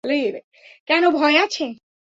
কেন ভয় আছে?